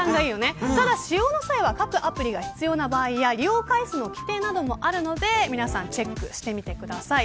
ただ、使用の際は各アプリが必要な場合や利用回数の規定などもあるので皆さんチェックしてみてください。